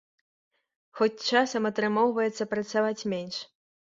Хоць часам атрымоўваецца працаваць менш.